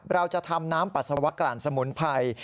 เราจะทำน้ำปัสสาวะกลั่นสมุนไพร